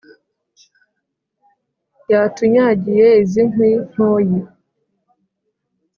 yatunyagiye iz’i nkwi-ntoyi